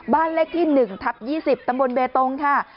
บ้านเลขที่๑ทับ๒๐ตำบลเบตงค่ะ